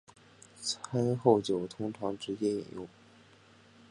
餐后酒通常直接饮用。